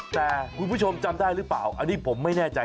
แต่คุณผู้ชมจำได้หรือเปล่าอันนี้ผมไม่แน่ใจ